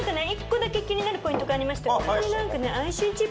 １個だけ気になるポイントがありましたよ